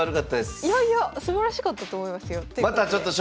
いやいやすばらしかったと思いますよ。